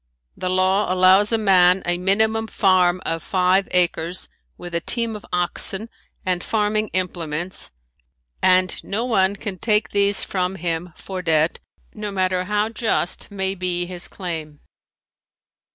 The law allows a man a minimum farm of five acres with a team of oxen and farming implements and no one can take these from him for debt no matter how just may be his claim.